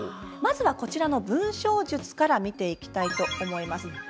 まずは文章術から見ていきたいと思います。